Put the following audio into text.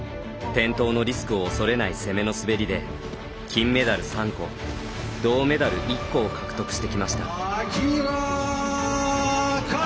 転倒のリスクを恐れない攻めの滑りで金メダル３個銅メダル１個を獲得してきました。